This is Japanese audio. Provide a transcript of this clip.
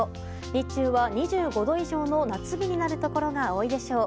日中は２５度以上の夏日になるところが多いでしょう。